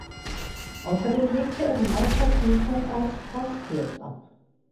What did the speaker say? Außerdem legte er die Meisterprüfung als Forstwirt ab.